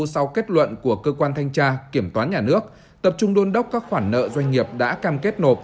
sau kết luận của cơ quan thanh tra kiểm toán nhà nước tập trung đôn đốc các khoản nợ doanh nghiệp đã cam kết nộp